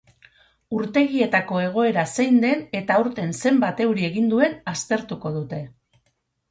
Urtegietako egoera zein den eta aurten zenbat euri egin duen aztertuko dute.